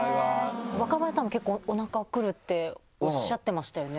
若林さんも結構おなかくるっておっしゃってましたよね。